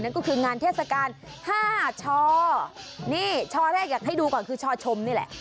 ก็คืองานเทศกาล๕ชอนี่ชอแรกอยากให้ดูก่อนคือชอชมนี่แหละ